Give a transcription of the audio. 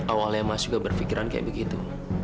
awalnya mas juga berpikiran kayak begitu